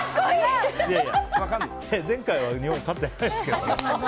前回は日本勝ってないですけど。